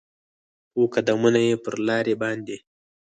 خو قدمونو یې پر لارې باندې